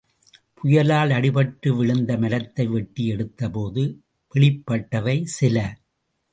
புயலால் அடிபட்டு விழுந்த மரத்தை வெட்டி எடுத்தபோது வெளிப்பட்டவை சில.